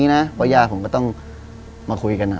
เพราะยาผมก็ต้องมาคุยกัน